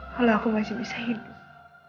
kalau aku masih bisa hidup